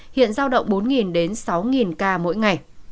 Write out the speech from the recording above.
hiện giao động bốn đến sáu ca mỗi ngày